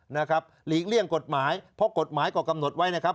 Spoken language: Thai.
หลีกเลี่ยงกฎหมายเพราะกฎหมายก็กำหนดไว้นะครับ